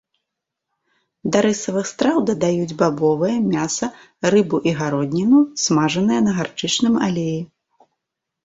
Да рысавых страў дадаюць бабовыя, мяса, рыбу і гародніну, смажаныя на гарчычным алеі.